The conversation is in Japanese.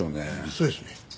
そうですね。